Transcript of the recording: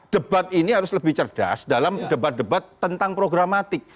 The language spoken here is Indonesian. debat ini harus lebih cerdas dalam debat debat tentang programatik